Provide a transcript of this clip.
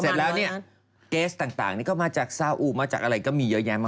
เสร็จแล้วเนี่ยเกสต่างนี่ก็มาจากซาอูมาจากอะไรก็มีเยอะแยะมาก